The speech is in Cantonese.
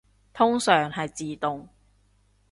通常係自動